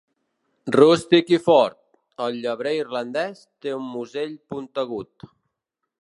Rústic i fort, el llebrer irlandès té un musell puntegut.